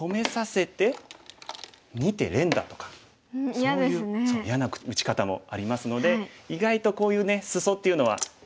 そう嫌な打ち方もありますので意外とこういうねスソっていうのは嫌なもんです。